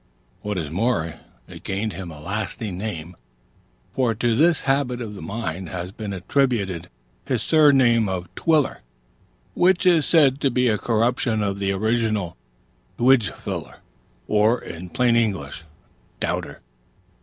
What is more, it gained him a lasting name; for to this habit of the mind has been attributed his surname of Twiller; which is said to be a corruption of the original Twijfler, or, in plain English, Doubter.